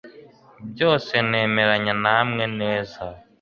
byose nemeranya namwe neza